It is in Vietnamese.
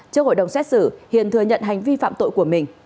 trước hội đồng xét xử hiền thừa nhận hành vi phạm tội của mình